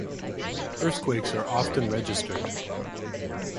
Earthquakes are often registered.